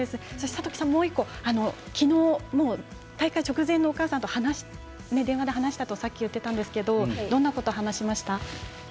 諭樹さん、もう１個きのう大会直前のお母さんと電話で話したと言っていましたがどんなことを話しました？